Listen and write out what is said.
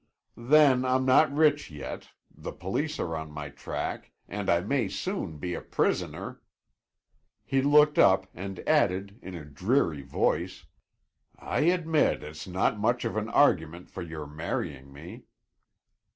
"Then I'm not rich yet, the police are on my track, and I may soon be a prisoner " He looked up and added in a dreary voice: "I admit it's not much of an argument for your marrying me."